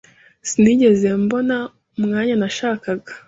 Sinigeze mbona umwanya nashakaga.